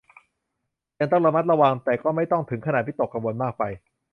ยังต้องระมัดระวัง แต่ก็ไม่ต้องถึงขนาดวิตกกังวลมากไป